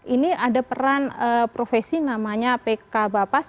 ini ada peran profesi namanya pk bapas